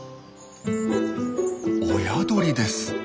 親鳥です。